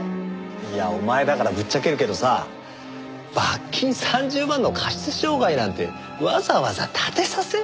いやお前だからぶっちゃけるけどさ罰金３０万の過失傷害なんてわざわざ立てさせんなよ。